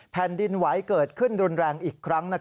แผ่นดินไหวเกิดขึ้นรุนแรงอีกครั้ง